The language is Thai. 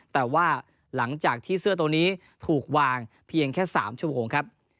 แต่ว่าหลังจากที่เสื้อตัวนี้ถูกวางเพียงแค่๓ชั่วโมงครับ